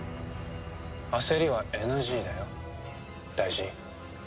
焦りはＮＧだよ大二。